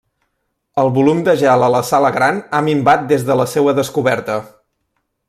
El volum de gel a la sala Gran ha minvat des de la seua descoberta.